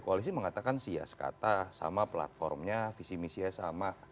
koalisi mengatakan sias kata sama platformnya visi misinya sama